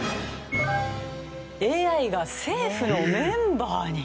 ＡＩが政府のメンバーに。